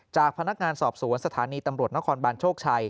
จากพนักงานสอบสวนสถานีตำรวจนฮบช